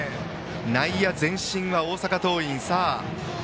内野前進は大阪桐蔭。